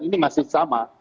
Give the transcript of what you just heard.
ini masih sama